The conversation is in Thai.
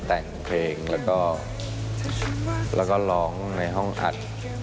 แต่งเพลงแล้วก็ร้องในห้องอัด